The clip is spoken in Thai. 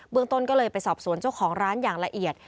เมืองต้นก็เลยไปสอบสวนเจ้าของร้านอย่างละเอียด